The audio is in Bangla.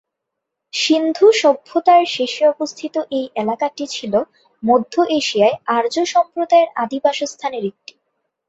সিন্ধু সভ্যতার শেষে অবস্থিত এই এলাকাটি ছিলো মধ্য এশিয়ায় আর্য সম্প্রদায়ের আদি বাসস্থানের একটি।